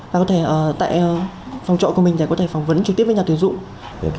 và có thể tại phòng trọ của mình để có thể phỏng vấn trực tiếp với nhà tuyển dụng